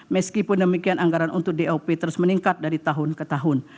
meskipun demikian anggaran untuk dop terus meningkat dari tahun ke tahun